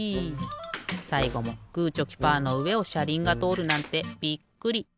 さいごもグーチョキパーのうえをしゃりんがとおるなんてびっくり。